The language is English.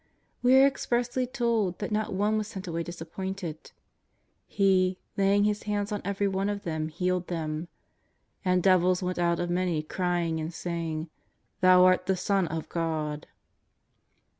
We are expressly told that not one was sent away disappointed. '^ He, laying His hands on every one of them, healed them. And devils went out of many crying and saying: Thou art the Son of God.''